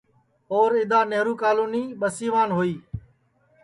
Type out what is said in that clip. اور اِدؔا نیہرو کالونی ٻسیوان ہوئی